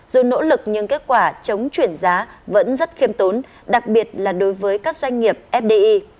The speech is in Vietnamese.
dù nỗ lực nhưng kết quả chống chuyển giá vẫn rất khiêm tốn đặc biệt là đối với các doanh nghiệp fdi